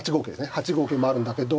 ８五桂もあるんだけど。